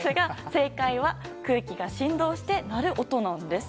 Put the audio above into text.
正解は空気が振動して鳴る音なんです。